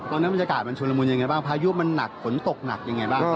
บรรยากาศมันชุลมุนยังไงบ้างพายุมันหนักฝนตกหนักยังไงบ้าง